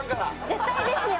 絶対ですよ